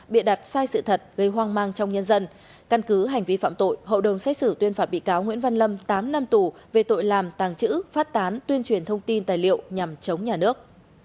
bị đặt sai sự thật gây hoang mang trong nhân dân căn cứ hành vi phạm tội hậu đồng xét xử tuyên phạt bị cáo nguyễn văn lâm tám năm tù về tội làm tàng trữ phát tán tuyên truyền thông tin tài liệu nhằm chống nhà nước